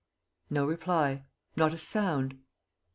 No reply. Not a sound.